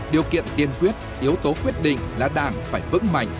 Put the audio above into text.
điều kiện tiên quyết yếu tố quyết định là đảng phải vững mạnh